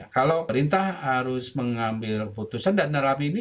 kalau pemerintah harus mengambil putusan dan menerapi ini